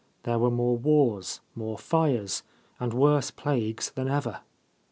There were more wars, more fires, and worse plagues than ever.